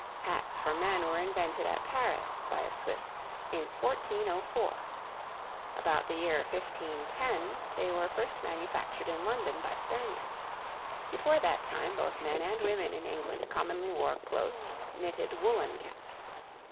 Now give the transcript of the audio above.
Hats for men were invented at Paris, by a Swiss, in 1404. About the year 1510, they were first manufactured in London, by Spaniards. Before that time both men and women in England commonly wore close, knitted, woollen caps.